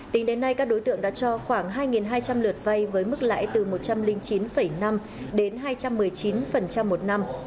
tính đến nay các đối tượng đã cho khoảng hai hai trăm linh lượt vay với mức lãi từ một trăm linh chín năm đến hai trăm một mươi chín một năm